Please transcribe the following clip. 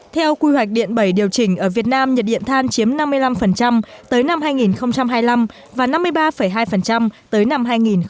theo quy hoạch điện bảy điều chỉnh ở việt nam nhiệt điện than chiếm năm mươi năm tới năm hai nghìn hai mươi năm và năm mươi ba hai tới năm hai nghìn ba mươi